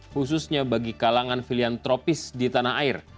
khususnya bagi kalangan filiantropis di tanah air